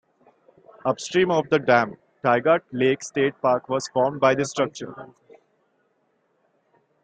Upstream of the dam, Tygart Lake State Park was formed by this structure.